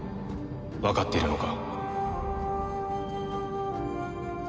わかっているのか？